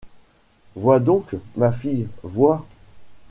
Vois donc, ma fille, vois !...